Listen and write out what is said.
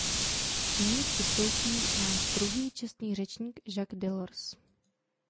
Nyní vystoupí náš druhý čestný řečník Jacques Delors.